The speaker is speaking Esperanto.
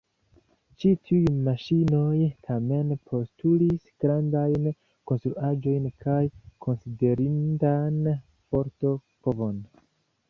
Ĉi tiuj maŝinoj tamen postulis grandajn konstruaĵojn kaj konsiderindan forto-povon.